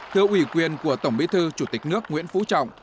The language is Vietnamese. thưa ủy quyền của tổng bí thư chủ tịch nước nguyễn phú trọng